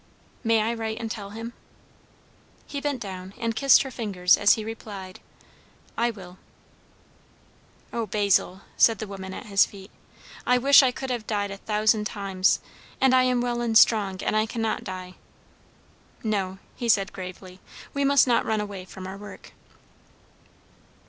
"May I write and tell him?" He bent down and kissed her fingers as he replied "I will." "O Basil," said the woman at his feet, "I have wished I could die a thousand times! and I am well and strong, and I cannot die." "No," he said gravely; "we must not run away from our work."